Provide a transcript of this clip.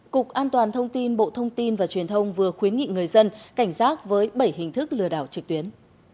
cục an toàn thông tin bộ thông tin và truyền thông vừa khuyến nghị người dân cảnh giác với bảy hình thức lừa đảo trực tuyến